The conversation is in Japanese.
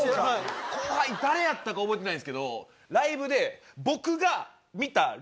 後輩誰やったか覚えてないんですけどライブで僕が見た。